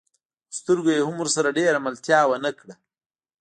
خو سترګو يې هم ورسره ډېره ملتيا ونه کړه.